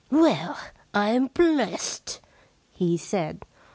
* Well, I'm blest !' he said.